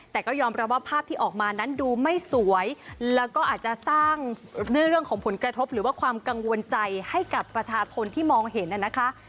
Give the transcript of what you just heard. แต่ก็ยอมรับว่าภาพที่ออกมานั้นดูไม่สวยแล้วก็อาจจะสร้างเรื่องของผลกระทบหรือว่าความกังวลใจให้กับประชาชนที่มองเห็นนะคะ